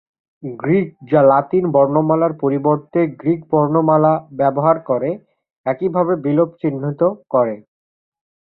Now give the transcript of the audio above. Greek, যা Latin বর্ণমালার পরিবর্তে গ্রীক বর্ণমালা ব্যবহার করে, একইভাবে বিলোপ চিহ্নিত করে।